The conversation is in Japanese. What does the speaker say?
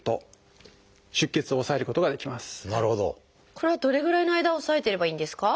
これはどれぐらいの間押さえてればいいんですか？